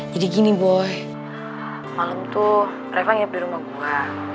jadi gini boy malem tuh reva nginep di rumah gue